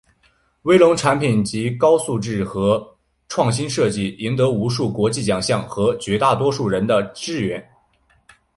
威龙产品籍高质素和创新设计赢得无数国际性奖项和绝大多数人的支援。